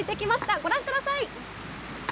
ご覧ください。